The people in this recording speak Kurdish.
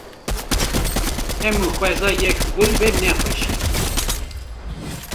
Hemû xweza yek gul be ne xweş e.